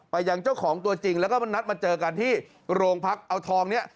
ยังเจ้าของตัวจริงแล้วก็นัดมาเจอกันที่โรงพักเอาทองนี้